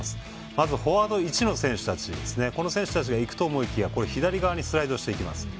まず、フォワード１の選手たちが行くと思いきや左側にスライドしていきます。